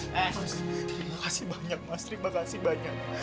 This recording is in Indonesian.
terima kasih banyak mas terima kasih banyak